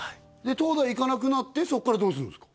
東大行かなくなってそっからどうするんすか？